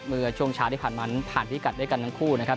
เมื่อช่วงเช้าที่ผ่านมาผ่านพิกัดด้วยกันทั้งคู่นะครับ